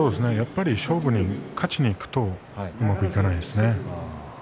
勝負に勝ちにいくとうまくいかないですね。